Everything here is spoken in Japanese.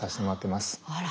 あら！